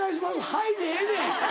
「はい」でええねん。